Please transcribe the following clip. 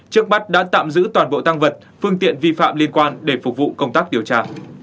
trước mắt đã tạm giữ toàn bộ tăng vật phương tiện vi phạm liên quan để phục vụ công tác điều tra